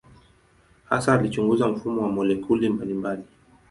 Hasa alichunguza mfumo wa molekuli mbalimbali.